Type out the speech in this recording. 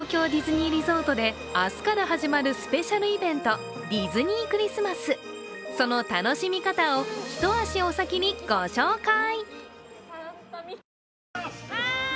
東京ディズニーリゾートで明日から始まるスペシャルイベント、ディズニークリスマス、その楽しみ方を一足お先にご紹介。